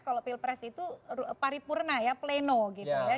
kalau pilpres itu paripurna ya pleno gitu ya